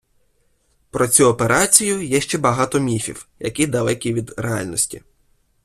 Про цю операцію є ще багато міфів, які далекі від реальності.